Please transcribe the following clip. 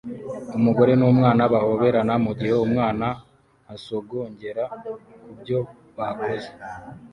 Umugore n'umwana bahoberana mugihe umwana asogongera kubyo bakoze